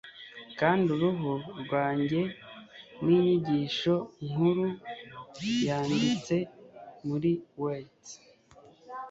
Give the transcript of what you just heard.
kandi uruhu rwanjye ninyigisho nkuru yanditse muri welts